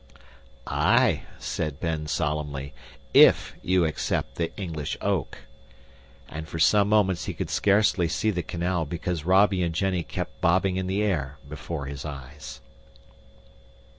"Aye," said Ben solemnly, "IF you except the English oak." And for some moments he could scarcely see the canal because Robby and Jenny kept bobbing in the air before his eyes.